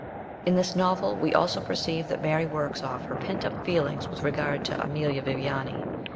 In this novel we also perceive that Mary works off her pent up feelings with regard to Emilia Viviani.